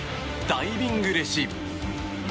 ダイビングレシーブ。